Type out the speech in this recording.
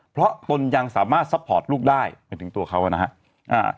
มันยังสามารถซัพพอร์ตลูกได้เป็นถึงตัวเขานะฮะ